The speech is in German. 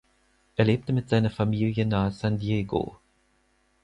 Er lebte mit seiner Familie nahe San Diego.